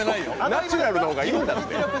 ナチュラルの方がいいんだって。